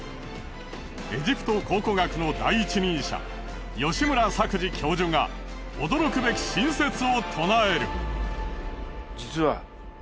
エジプト考古学の第一人者吉村作治教授が驚くべき新説を唱える。